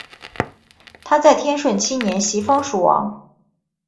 他在天顺七年袭封蜀王。